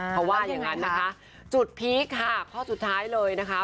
เขาว่าอย่างนั้นนะคะจุดพีคค่ะข้อสุดท้ายเลยนะคะ